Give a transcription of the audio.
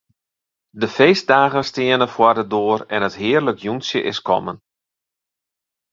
De feestdagen steane foar de doar en it hearlik jûntsje is kommen.